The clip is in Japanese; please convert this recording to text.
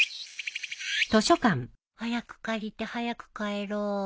早く借りて早く帰ろう。